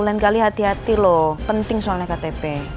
lain kali hati hati loh penting soalnya ktp